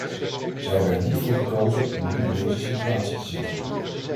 Zij hebben er niet voor gekozen om nu in deze situatie te zitten.